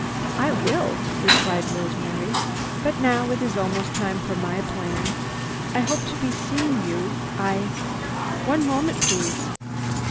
"I will," replied Rosemary. "But now it is almost time for my plane. I'll hope to be seeing you. I—" "One moment please!"